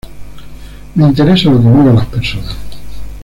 Me interesa lo que mueve a las personas.